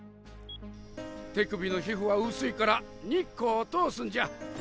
手首の皮膚は薄いから日光を通すんじゃ。